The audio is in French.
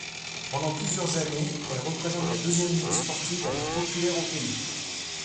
Pendant plusieurs années, elle représente la deuxième ligue sportive la plus populaire au pays.